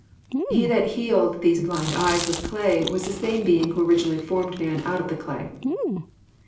He that healed these blind eyes with clay was the same Being who originally formed man ont of the clay.